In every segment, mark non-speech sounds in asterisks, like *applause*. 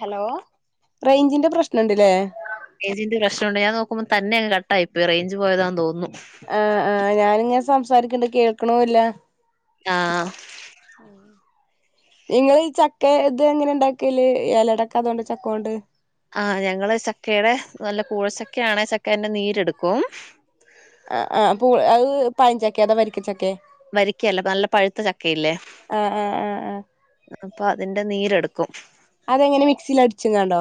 Hello റേഞ്ചിന്റെ പ്രശ്നുണ്ട്. റെജിന്റെ പ്രശ്നംണ്ട് ഞാൻ നോക്കുമ്പോ തന്നെങ് കട്ടായിയിപ്പോയി റേഞ്ച് പോയതാന്ന് തോന്നുന്നു. ആഹ ആഹ് ഞാാനിങ്ങനെ സംസാരിക്കണ് ണ്ട് കേൾക്കുണില്ല ആ ഉം നിങ്ങള് ഈ ചക്ക ഇത് എങ്ങനെ ഇണ്ടാക്കൽ ഇലടക്ക അത കൊണ്ട് ചക്കൊണ്ട്. ആഹ ഞങ്ങള് ചക്കടെ നല്ല കൂഴച്ചക്കയാണെ ചക്കന്റെ നീരെടുക്കും. ആ ആ് അഹ് പഴചക്കെ അതൊ വരിക്കച്ചക്കെ വരിക്കയല്ല നല്ല പഴുത്ത ചക്കയില്ലേ ആഹ് ആഹ് ആഹ് ആഹ് അപ്പോ അതിൻ്റെ നീരെടുക്കും അതെങ്ങനെ മിക്സിൽ അടിച്ചങ്ങാണ്ടോ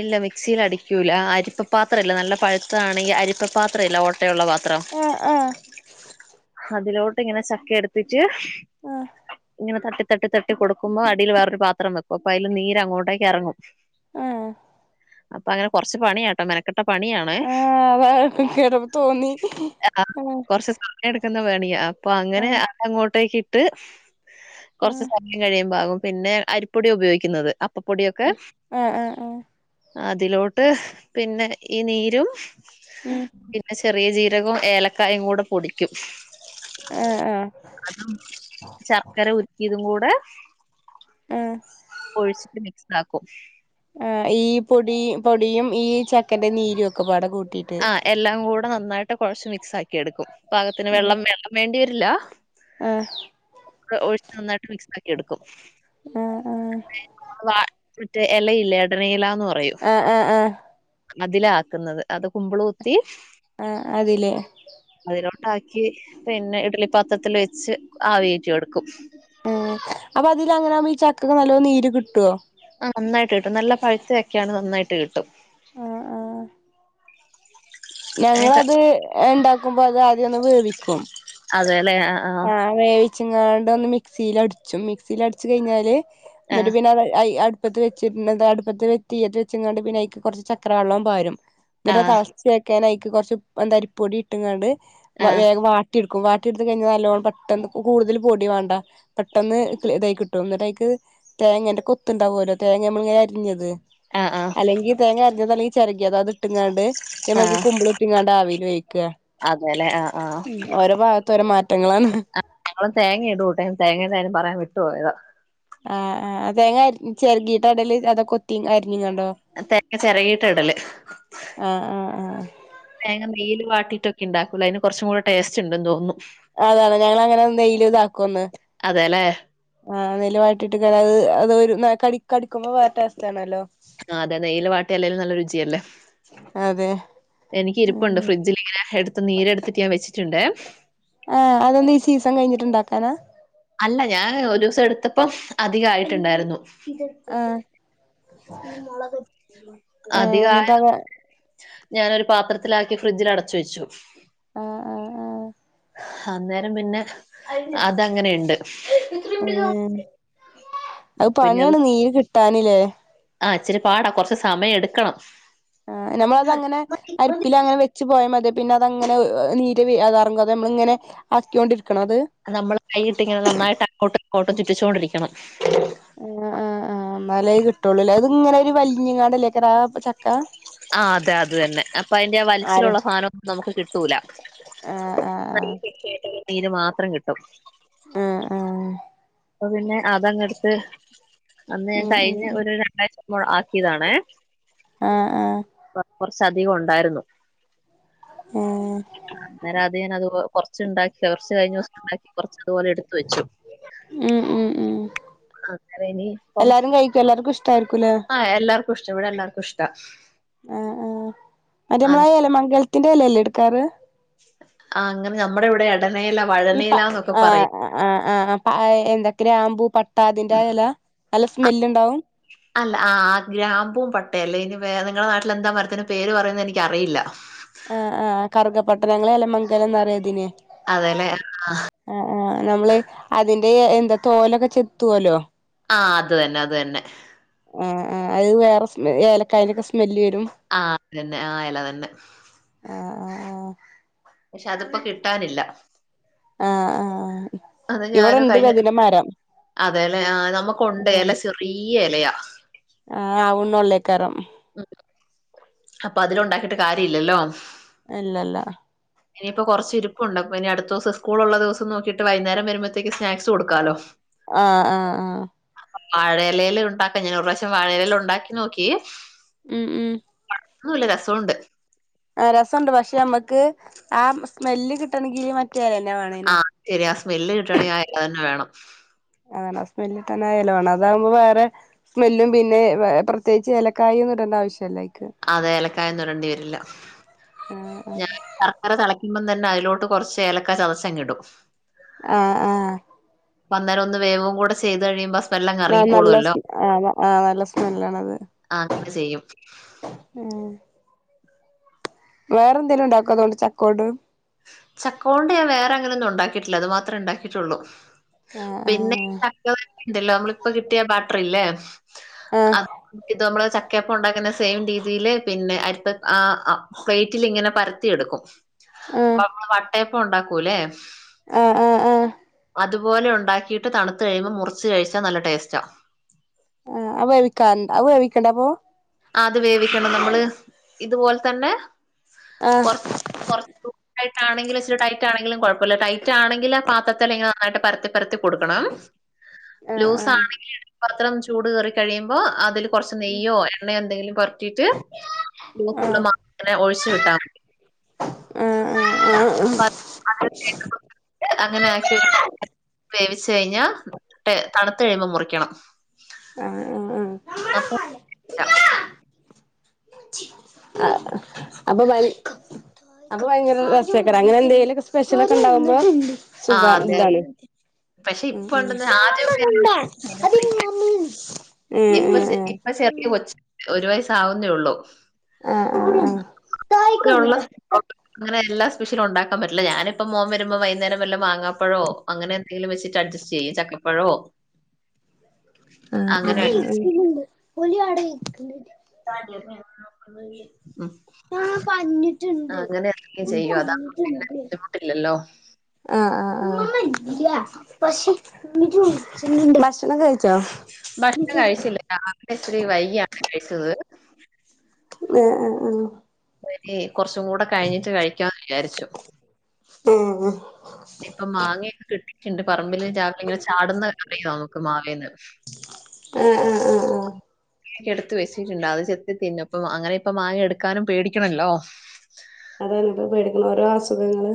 ഇല്ല മിക്സിൽ അടിക്കൂല്ല അരിപ്പ പാത്രല്ലേ നല്ല പഴുത്താണെങ്കിൽ അരിപ്പപ്പാത്രല്ലേ ഓട്ടയുള്ള പാത്രം ആഹ് ആഹ് *unintelligible* അതിലോട്ട് ഇങ്ങനെ ചക്ക എടുത്തിട്ട ആഹ ഇങ്ങന തട്ട് തട്ട് തട്ട് കൊടുക്കുമോ ഇങ്ങനെ തട്ടി തട്ടി തട്ടി കൊടുക്കുമ്പോ അടീല് വേറൊരു പാത്രം വെക്കും അപ്പൊ അയില് നീര് അങ്ങോട്ടേക്ക് ഇറങ്ങും ആഹ അപ്പൊ അങ്ങന കൊർച്ച് പണിയാട്ടൊ മെന ട്ട പണിയാണെ ആഹ് അതാ കേട്ടപ്പോ തോന്നി *unintelligible* ആഹ് എടുക്കുന്ന പണിയാ അപ്പൊ അങ്ങനെ ആഹ് അത അങ്ങോട്ടേക്ക് *unintelligible* *unintelligible* ട്ട് കൊർച് സമയം കഴിയുമ്പാകും പിന്നെ അരിപ്പൊടി ഉപയോഗിക്കുന്നത്അ ആആ ആ അതിലോട്ട് പിന്നെ ഈ നീരും ഉം പിന്നെ *unintelligible* ചെറിയ ജീരകും ഏലക്കായും കൂടെ പൊടിക്കും ആഹ് ആഹ് *unintelligible* ശർക്കര ഉരുക്കിയതും കൂടെ ആഹ് ഒഴിച്ചിട്ട് മിക്സ് ആക്കും ആ് ഈ പൊടി പൊടിയും ഈ ചക്കന്റെ നീരും ഒക്കപാട കൂട്ടി ആഹ എല്ലാം കൂടെ നന്നായിട്ട് കൊഴച്ചു മിക്സ് ആക്കി എടുക്കും പാകത്തിന് വെള്ളം വെള്ളം വേണ്ടി വരില്ല ആഹ ഒഴിച്ച് നന്നായിട്ട് മിക്സ് ആക്കി എടുക്കും ആഹ് ആഹ് മറ്റെ എലയില്ലേ എടനയില ആഹ ആഹ ആഹ അതില ആക്ക്‌ന്നത് അത് കുമ്പ്ള് കുത്തി ആഹ അതിലേ ആക്കി പിന്നെ ഇഡലിപ്പാത്രത്തില് വെച്ച് ആവിഏറ്റിഎടുക്കും ഉം അപ്പൊ അതില് അങ്ങനാഉമ്പോ ഈ ചക്കക് നല്ലോ നീര് കിട്ടോ ആ നന്നായിട്ട് കിട്ടും നല്ല പഴുത്തചക്കയാണെ നന്നായിട്ട് കിട്ടും ആ ആ ഞങ്ങളത് ണ്ടാക്കുമ്പോ അത് ആദ്യം ഒന്ന് വേവിക്കും അതെല്ലേ ആ ആഹ വേവിച്ചുങ്ങാണ്ട് ഒന്ന് മിക്സിൽ അടിച്ചും മിക്സിൽ അടിച്ചു കഴിഞ്ഞാല് ആ ആ ന്നിട്ട് പിന്നെ *unintelligible* അടുപ്പത്ത് വെച്ചി ന്നെന്താ അടുപ്പത്ത് തിയ്യത് വെച്ചിങ്ങാണ്ട് പിന്നയ്ക്ക്‌ കൊർച് ചക്ര വള്ളം പാരും ന്നട്ട് ആ തളച് വെക്കാാനയ്ക്ക്‌ കൊറച്ച് എന്തരിപ്പൊടി ഇട്ട്ങ്ങാണ്ട് വേഗം വാട്ടിട് ക്കും വാട്ടിട്ത്ത് കഴിഞ്ഞാ പെട്ടന്ന് കൂകൂടുതല് പൊടി വാണ്ട പെട്ടന്ന് ഇതയി കിട്ടും ന്നിട്ടയ്ക്ക്‌ തേങ്ങന്റെ കൊ പത്തുണ്ടാവുമല്ലോ തേങ്ങ മ്മള്ങ്ങനെ അരിഞ്ഞത് ആ ആ അല്ലെങ്കിൽ തേങ്ങര്ഞ്ഞത് അല്ലെങ്കിൽ ചെരകിയത് അത്ട്ട്ങ്ങാണ്ട് ആ തെ കുമ്പ്ള്ത്തിങ്ങാണ്ട് ആവീല് വേയിക്ക അതെല്ലെ ഉ ഓരോ ഭാഗത്ത ഓരോ മാറ്റ- ഞങ്ങളെ തേങ്ങ ഇടൂട്ടെ തേങ്ങന്റാര്യം പറയാൻ വിട്ടു പോോയതോ ആഹ് ആ തേങ്ങ ചെര്കീട്ടാടല് അതൊകൊത്തി അര് തേങ്ങ ചെരകീട്ടാടല് ആഹ് ആഹ് ആഹ് തേങ്ങ നെയ്യില് വാട്ടി *unintelligible* ണ്ടാക്കൽ ആയ്ന് കൊർച്ചും കൂടെടേസ്റ്റ് ണ്ട് തോന്നുന്നു അതാണ് ഞങ്ങളങ്ങനെ നെയില്താക്കും അതെല്ലേ ആ നെൽ വാട്ടിട്ട് *unintelligible* ആ അതെ നെയില് വാട്ടിയെല്ലേലും നല്ല രുചിയല്ലേ അതെ എനിക്കിരിപ്പുണ്ട് ഉം ഫ്രിഡ്ജിലിങ്ങനെ എടുത്ത് നീരെടുത്തിട്ട് ഞാൻ വെച്ചിട്ടുണ്ട് ആഹ് അതെന്ത് ഈ സീസൺ കഴിഞ്ഞിട്ടുണ്ടാക്കാനാ അല്ല ഞാൻ ഒരൂസം എടുത്തപ്പം അധികായിട്ടുണ്ടായിരുന്നു ആഹ് ഏഹ് അധികായത് എന്നിട്ടവ ഞാനൊരു പാത്രത്തിലാക്കി ഫ്രിഡ്ജിലടച്ച് വെച്ചു ആഹ് ആഹ് ആഹ് അന്നേരം പിന്നെ അതങ്ങനെയുണ്ട് ആഹ് അത് പണിയാണ് നീര് കിട്ടാനില്ലേ ആ ഇച്ചിരി പാടാ കൊർച്ച് സമയം എടുക്കണം ആഹ് നമ്മളത് അങ്ങനെ അരിപ്പിലങ്ങനെ വെച്ചു പോയാ മതിയോ പിന്നതങ്ങനെ വ് വ് നീര് വി അതെർഗോ അത് മ്മളിങ്ങനെ ആക്കീയോണ്ടിരി നമ്മള് കൈയിട്ടിങ്ങനെ നന്നായിട്ട് അക്കോട്ടും ഇക്കോട്ടും ചുറ്റിച്ചുകോണ്ടിരിക്കണം ആഹ് ആഹ് ആഹ് അന്നാലേ കിട്ടുള്ളൂല്ലേ അതിങ്ങനെ ഒരു വലിഞ്ഞിങ്ങ ണ്ടല്ലേ ല്ലേക്കര ആ അതെ അത് തന്നെ അപ്പൊ അയിന്റെ ആ ആര് വലിച്ചിലൊള്ള സാധനം നമുക്ക് കിട്ടൂല ആഹ് ആഹ് നല്ല പെഷ്യാട്ടുള്ള മീന് മാത്രം കിട്ടും ആഹ് ആഹ് അപ്പൊ പിന്നെ അതങ്ങെടുത്ത് അന്ന് ഞാൻ ഉം കയിഞ്ഞ് ഉം ഒരു രണ്ടാഴ്ച പ്പോൾ ആക്കിയതാണെ ആഹ് ആഹ് ശ്ശധികം ഒണ്ടാരുന്നു ഏഹ് അന്നരം അതീന്നതുപോ കൊറച്ചുണ്ടാക്കി കൊറച്ച് കഴിഞ്ഞ ദോസൊണ്ടാക്കി കൊറച്ചതുപോലെ എടുത്തു വച്ചു ഊംഊംഊം അങ്ങനേനി പ്പം എല്ലാർക്കും ഇഷ്ടായിരിക്കുംല്ലേ ആ എല്ലാർക്കുഷ്ടാ ഇവിടെ എല്ലാർക്കുഷ്ടാ ആ ആ അരിയമ്ലായീഎല മംഗലത്തിന്റെലല്ലേ എടുക്കാറ് ആ അങ്ങനെ ഞമ്മടെ ഇവിടെ അ ഈപ ആ ആ ആ ആപ് എന്തൊക്കെരാമ്പൂ, പട്ട, അതിന്റെആഎലാ നല്ല സ്മെല്ല്ണ്ടാവും അല്ല ആ ആ ഗ്രാമ്പൂം പട്ടേല്ലേ ഇയ്നും വേനിങ്ങടെ നാട്ടിലെന്താ മരത്തിന് പേര് പറയുന്നേ എനിക്ക് അറിയില്ല ആ ആ കറുകപട്ടരെങ്ങളെലമംഗലംന്നറിയാതിന് അതേല്ലേ ആ നമ്മള് അതിന്റെ എഎന്താ തോലൊക്കെ ചെത്തുവല്ലോ ആ അത് തന്നെ അത് തന്നെ ആ ആ അത് വേറെ സ്മെ ഏലക്കായ്നൊക്കെ സ്മെല്ല് കി ആ അതന്നെ ആഎലതന്നെ ആ പക്ഷെ അതിപ്പോ കിട്ടാനില്ല ആ ആ അത് ഞാനും കഴിഞ്ഞ അതേല്ലേ ആ നമുക്കൊണ്ട് ആഹ് എല ചെറിയ ഏലയാ ആഹ് ആവുന്നൊള്ളേക്കാരം അപ്പൊ അതിലൊണ്ടാക്കിയിട്ട് കാര്യ ഇല്ലല്ലോ ഇല്ലല്ലാ ഇനിയിപ്പൊ കൊറച്ചിരിപ്പൊണ്ട് പ്പഇനി അടുത്തോസം സ്കൂളൊള്ള ദിവസം നോക്കിയിട്ട് വൈന്നേരം വരുമ്പത്തേക്ക് സ്നാക്സ് കൊടുക്കാലോ ആഹ് ആഹ് ആഹ് വാഴേലേല് ഉണ്ടാക്കാം ഞാനൊർആവശ്യം വാഴേലേല് ഒണ്ടാക്കി നോക്കി ഉം ഉം ന്നൂല്ല രസോണ്ട് ആ രസണ്ട് പക്ഷെ അമ്മക്ക് ആ സ്മെല്ല് കിട്ടണെങ്കി മ ആ ശെരിയാ സ്മെല് കിട്ടണെ ആഎലതന്നെ വേണം സ്മല്ലിട്ടണേ ആ എല വേണം അതാവുമ്പം വേറെ സ്മെല്ലും പിന്നെ വേ പ്രത്യേകിച്ച് എലക്കായ്ഒന്നും ഇടണ്ട ആവശ്യംല്ല അതെ ഏലക്കായൊന്നുടണ്ടി വരില്ല ആഹ് ഞാൻ ശർക്കര തെളയ്ക്കുമ്പതന്നെ അയിലോട്ട് കൊർച്ച് ഏലക്കാ ചതച്ചങ്ങിടും ആ ആ അന്നേരം ഒന്ന് വേവും കൂടെ ചെയ്ത് കഴിയുമ്പ ആ നല്ല ആ ആ നല്ല സ്മെല്ലാണത് ആ അങ്ങനെ ചെയ്യും ആ വേറെ എന്തേലും ഉണ്ടാക്കോ അ--ണ്ട് ചക്കോട് ചക്കോണ്ട് ഞാന് വേറെ അങ്ങനൊന്നും ഉണ്ടാക്കിയിട്ടില്ല അത് മാത്ര ഇണ്ടാക്കിയിട്ടോള്ളു പിന്നെ ആഹ് ചക്കാ ണ്ടല്ലോ നമ്മളിപ്പ കിട്ടിയ ബാട്രിഇല്ലേ ആഹ് അത് ന ഇത് നമ്മള് ക്കപ്പ ഉണ്ടാക്കിന്ന സെയിം രീതിയില് പിന്നെ അരിപ്പ ആ പ്ലേറ്റില് ഇങ്ങനെ പരത്തിഎട്ക്കും ആ വട്ടയപ്പം ഉണ്ടാക്കൂല്ലേ ആ ആ ആ അത്പോലെ ഉണ്ടാക്കിയിട്ട് തണ്ത് കഴിയുമ്പോ മുറിച്ച് കഴിച്ചാ നല്ല ടേസ്റ്റാ ആ അവവിക്കാ അവ വെവിക്കണ്ട അപ്പൊ അത് വേവിക്കണം നമ്മള് ഇതുപോല തന്നെ ആഹ് കൊറ കൊറച്ച് ദ ആണെങ്കിലുച്ചിരി ടൈറ്റണെങ്കിലും കൊഴപ്പല്ല ടൈറ്റാണക്കില് ആ പാത്രത്തില് ഇങ്ങനെ നന്നായിട്ട് പരത്തി പരത്തി കൊടുക്കണം ആഹ് ലൂസണെങ്കില് പത്രം ചൂട് കേറി കഴിയുമ്പോ അതില് കൊർച്ച് നെയ്യോ *unintelligible* ആ *inaudible* അങ്ങനെ ആക്കിയ ഒരു വേവിച്ച് കഴിഞ്ഞാ തണ്ത്തഴിമ്പോ മുറിക്കണം ആഹ് അപ്പൊ ആ അപ്പൊ വ അത് ഭയങ്കര രസക്കാരം അങ്ങനെ എന്തേലൊക്കെ സ്പെഷ്യലക്കെണ്ടാവുമ്പോ ആ അതെ അതെ സുഖന്താലു പക്ഷെ ഉം ഇപ്പൊ ഉം ഉണ്ടെന്ന് ആദ്യമൊക്കെ ഇപ്പച്ച് ഇപ്പ ഉം ചെറിയ ഉം കൊച്ച് ഒരു വയസാവുന്നോള്ളു ആ ആ ആ ഒള്ള അങ്ങനെ എല്ലാ സ്പെഷ്യലൊണ്ടാക്കാൻ പറ്റില്ല ഞാനിപ്പ മോൻ വരുമ്പോ വൈകുന്നേരം വല്ല വാങ്ങാ പ്പഴോ അങ്ങനെ എന്തെലും വെച്ചിട്ട് അഡ്ജസ്റ്റ് ചെയ്യും ചക്കപ്പഴോ അ അ അങ്ങനെ അഡ്ജസ്റ്റ് *inaudible* ആ പറഞ്ഞിട്ടിണ്ട് അങ്ങനെ എന്തെങ്കിലും ചെയ്യും. അതാവുമ്പോ പിന്നെ പറഞ്ഞിട്ടിണ്ട് ബുദ്ധിമുട്ടില്ലല്ലോ. ആ ആ ആ പശേ ഭക്ഷണം കഴിച്ചില്ലേ അങ്ങന ഇച്ചരി വൈകിയാണ് കഴിച്ചത് ആ ആ ആ രി കൊർച്ചുങ്ങൂടെ കഴിഞ്ഞിട്ട് കഴിക്കാന്ന് വിചാരിച്ചു ആഹ് ആഹ് ആഹ് ഇപ്പ മാങ്ങയെക്കെ കിട്ടിയിട്ടിണ്ട് പറമ്പില് രാവിലെ ങ്ങനെ ചാടുന്ന അറിയോ നമുക്ക് മാവേന്ന് ആ ആ ആ ആ അ എടുത്ത് വെച്ചിട്ടിണ്ട് അത് ചെത്തി തിന്നു അപ്പ അങ്ങനെ പ്പ മാങ്ങ എടുക്കാനും പേടിക്കണല്ലോ അതേള്ളൂ പേടി ഓരോ അസുഖങ്ങള്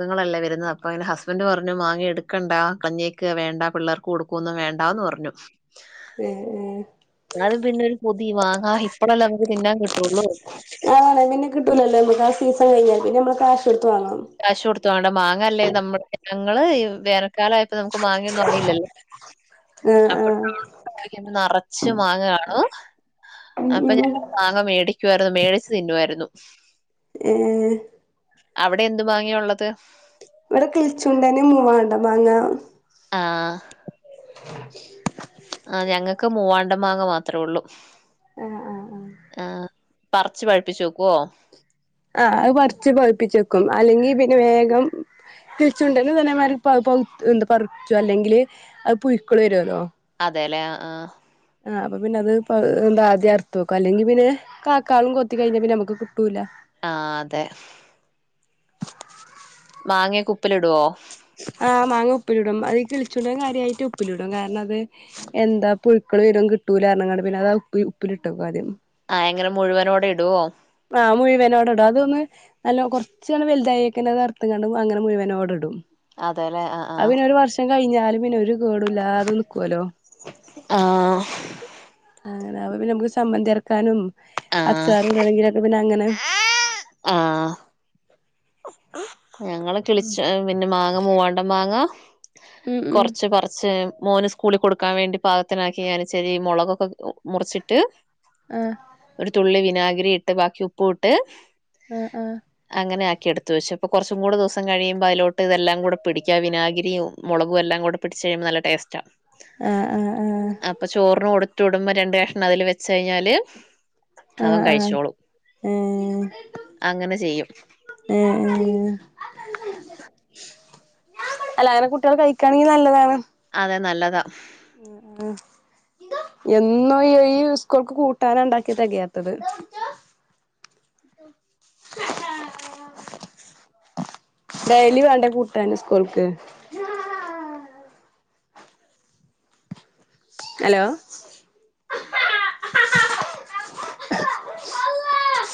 ങ്ങളല്ലേ വെര്ന്ന് അപ്പ അങ്ങനെ ഹസ്ബൻഡ് പറഞ്ഞു മാങ്ങ എടുക്കണ്ട കളഞ്ഞെക്ക് വേണ്ട പിള്ളേർക്ക് കൊടുക്കൊന്നും വേണ്ടാന്ന് പറഞ്ഞു ഏ ഏ അത് പിന്നെ ഒരു കൊതി മാങ്ങ ഇപ്പളല്ലേ നമ്മക് തിന്നാൻ കിട്ടോള്ളു ആ ന്നെ കിട്ടൂലല്ലോ മ്മക്ക ആ സീസൺ കഴിഞ്ഞാ പിന്നെ നമ്മള് കാശ് കൊട്ത്ത് വാങ്ങണം കാശൊട്ത് വാണ്ട മാങ്ങല്ലേ നമ്മ്ടെ ഞങ്ങള് ഈ വേനൽക്കാലയപ്പോ നമുക്ക് മാങ്ങയൊന്നും അങ്ങയില്ലല്ലോ ആഹ് അപ്പൊ ആഹ് നറച്ച് മാങ്ങകാണു ഉം അപ്പൊ ഉം ഞങ്ങള് മാങ്ങ മേടിക്കുവാരുന്നു. മേടിച്ചു തിന്നുവായിരുന്നു ഏ അവിടെ എന്ത് മാങ്ങയാ ഉള്ളത് ഇവിടെ കിളിച്ചുണ്ടന്, മൂവാണ്ട മാങ്ങ ആഹ *inaudible* ആ ഞങ്ങൾക്ക് മൂവാണ്ട മാങ്ങ മാത്രേ ഉള്ളൂ ആഹ് ആഹ് ആഹ പറച്ച് പഴുപ്പിച്ചു വെക്കുവോ ആ അത് പറിച്ച് പഴ്‌പ്പിച്ചെക്കും അല്ലെങ്കിൽ പിന്നെ വേഗം കിളിച്ചുണ്ടന് ഇതേമാതിരി എന്താ പറിച്ചും അല്ലെങ്കില് അത് പുഴക്കള് വരുല്ലോ അതേലേ ആ ആ ആ അപ്പൊ പിന്നെ അത് എന്താ ആദ്യം അർത്ത് വെക്കും അല്ലെങ്കി പിന്നെ കാക്കാളും കൊത്തി കഴിഞ്ഞാ പിന്നെ നമുക്ക് കിട്ടൂല്ല ആ അതെ മാങ്ങയൊക്കെ ഉപ്പിൽ ഇടുവോ ആഹ് മാങ്ങ ഉപ്പിലിടും അത് ഈ കിളിച്ചുണ്ടൻ കാര്യായിട്ട് ഉപ്പിലിടും കാരണം അത് എന്താ പുഴു ക്കൾ വരും കിട്ടൂലാർഞ്കാണ്ട് പിന്നെ അത് ഉപ്പിലിട്ടക്കും ആദ്യം ആഹ എങ്ങനെ മുഴുവനോടെ ഇടുവോ ആഹ് മുഴുവനോടെ ഇടും അതൊന്ന് നല്ല കുറച്ചട് വലുതായിക്കെന്നെ അത് അറത്ത്കാണ്ട് അങ്ങനെ മുഴുവനോടെ ഇടും അതെ ലേ ആഹ അത് ആഹ പിന്നെ ഒരു വർഷം കഴിഞ്ഞാലും പിന്നെ ഒരു കേടുംല്ലാതെ നിക്കും ആഹ അങ്ങനെ പിന്നെ നമുക്ക് ചമ്മന്തി അരക്കാനും അച്ചാറ്ടണെങ്കിലൊക്കെ പിന്നെ അങ്ങനെ ആഹ ഞങ്ങള് കിളിച്ച പിന്നെ മാങ്ങ മൂവാണ്ട മാങ്ങ ഉം ഉം കൊറച്ച് പറച്ച് മോന് സ്കൂളി കൊടുക്കാൻ വേണ്ടി പാകത്തിനാക്കി ഞാന് ച്ചിരി മുളകൊക്കെ മുറിച്ചിട്ട് ആഹ് ഒരു തുള്ളി വിനാഗിരി ഇട്ട് ബാക്കി ഉപ്പു ഇട്ട് ആഹ ആഹ് അങ്ങനെയാക്കി എടുത്ത് വച്ചു ഇപ്പ കൊർച്ചും കൂടി ദിവസം കഴിയുമ്പോ അതിലോട്ട് ഇതെല്ലാം കൂടെ പിടിക്ക വിനാകിരി മുളകും എല്ലാം കൂടെ പിടിച്ച് കഴിയുമ്പോ നല്ല ടേസ്റ്റാ ആഹ് ആഹ് അപ്പൊ ചോറിന് കൊടുത്തു വിടുമ്പോ രണ്ട് കഷ്ണം അതില് വെച്ച് കഴിഞ്ഞാല് ആഹ അവൻ ആഹ കഴിച്ചോളും ഏ അങ്ങനെ ചെയ്യും എ ഏ അല്ലങ്ങനെ കുട്ടികൾ കഴിക്കാണെങ്കിൽ നല്ലതാണ് അതെ നല്ലതാ ആഹ എന്നും ഈ സ്കൂൾക്ക് കൂട്ടാന ഉണ്ടാക്യ തെകയാത്തത് ആ ഡെയ്ലി വേണ്ടെ കൂട്ടാന് സ്കൂൾക്ക് ഹലോ